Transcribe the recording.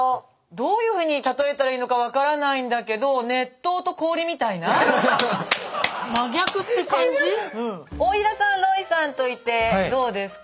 どういうふうに例えたらいいのか分からないんだけど大平さんロイさんといてどうですか？